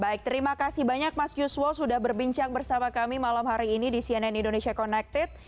baik terima kasih banyak mas yuswo sudah berbincang bersama kami malam hari ini di cnn indonesia connected